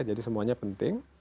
jadi semuanya penting